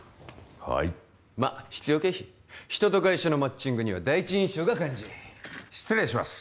はいまっ必要経費人と会社のマッチングには第一印象が肝心失礼します